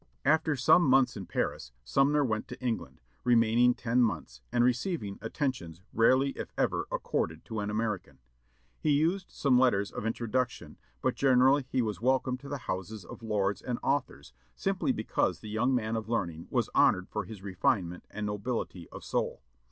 After some months in Paris, Sumner went to England, remaining ten months, and receiving attentions rarely if ever accorded to an American. He used some letters of introduction, but generally he was welcomed to the houses of lords and authors simply because the young man of learning was honored for his refinement and nobility of soul.